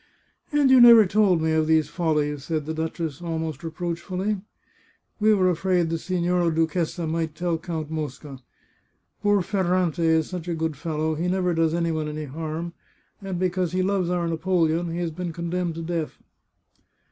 " And you never told me of these follies ?" said the duchess, almost reproachfully. " We were afraid the Signora Duchessa might tell Count Mosca. Poor Ferrante is such a good fellow, he never does 388 The Chartreuse of Parma any one any harm, and because he loves our Napoleon, he has been condemned to death."